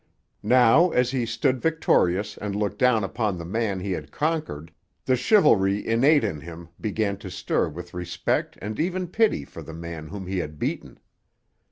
Now as he stood victorious and looked down upon the man he had conquered, the chivalry innate in him began to stir with respect and even pity for the man whom he had beaten.